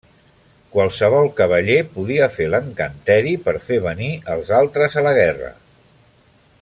Qualsevol cavaller podia fer l'encanteri per fer venir els altres a la guerra.